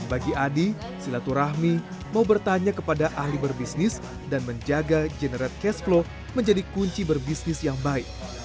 bagi adi silaturahmi mau bertanya kepada ahli berbisnis dan menjaga generate cash flow menjadi kunci berbisnis yang baik